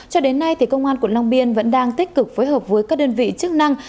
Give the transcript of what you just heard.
cho đến nay công an quận long biên vẫn đang tích cực phối hợp với các đơn vị chức năng